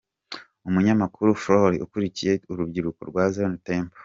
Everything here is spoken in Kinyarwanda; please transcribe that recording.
Umunyamakuru Flory ukuriye urubyiruko rwa Zion Temple.